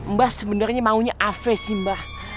mbah sebenarnya maunya afe sih mbah